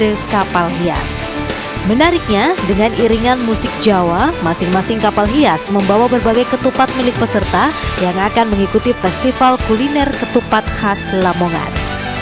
sebagai kapal hias menariknya dengan iringan musik jawa masing masing kapal hias membawa berbagai ketupat milik peserta yang akan mengikuti festival kuliner ketupat khas lamongan